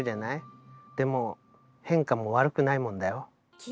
でも変化も悪くないもんだよ。